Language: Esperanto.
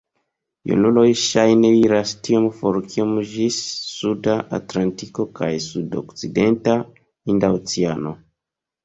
Junuloj ŝajne iras tiom for kiom ĝis suda Atlantiko kaj sudokcidenta Hinda Oceano.